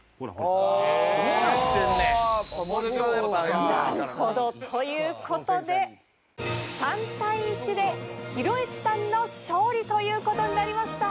なるほど。という事で３対１でひろゆきさんの勝利という事になりました！